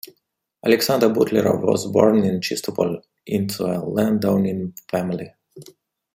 Alexander Butlerov was born in Chistopol into a landowning family.